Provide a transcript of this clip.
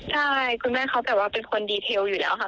ใช่คุณแม่เขาแบบว่าเป็นคนดีเทลอยู่แล้วค่ะ